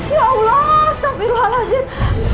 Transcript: ya allah astagfirullahaladzim